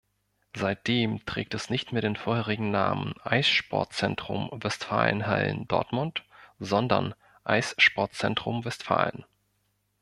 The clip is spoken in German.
Seitdem trägt es nicht mehr den vorherigen Namen "Eissportzentrum Westfalenhallen Dortmund", sondern "Eissportzentrum Westfalen".